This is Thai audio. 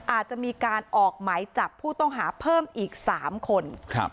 อาจจะมีการออกหมายจับผู้ต้องหาเพิ่มอีก๓คน